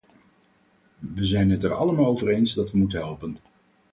We zijn het er allemaal over eens dat we moeten helpen.